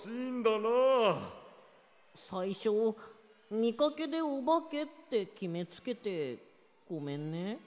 さいしょみかけでおばけってきめつけてごめんね。